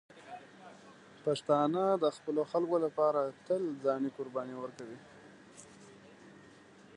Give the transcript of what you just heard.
پښتانه د خپلو خلکو لپاره تل ځاني قرباني ورکوي.